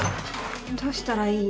どうしたらいい？